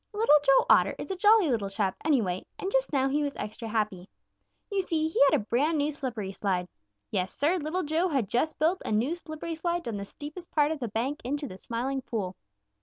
Little Joe Otter is a jolly little chap, anyway, and just now he was extra happy. You see, he had a brand new slippery slide. Yes, Sir, Little Joe had just built a new slippery slide down the steepest part of the bank into the Smiling Pool.